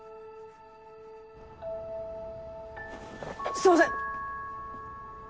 すみません！